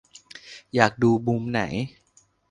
อยากดูมุมไหน